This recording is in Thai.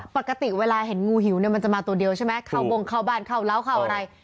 ปกติเวลาเห็นงูหิวเนี่ยมันจะมาตัวเดียวใช่ไหมเข้าวงเข้าบ้านเข้าเล้าเข้าอะไร